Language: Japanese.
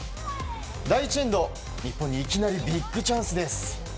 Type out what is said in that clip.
第１エンド、日本にいきなりビッグチャンスです。